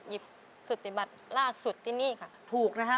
หยิบสุธิบัตรล่าสุธินี่ค่ะ